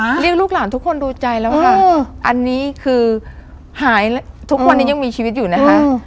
เรียกลูกหลานทุกคนดูใจแล้วค่ะอันนี้คือหายทุกวันนี้ยังมีชีวิตอยู่นะคะ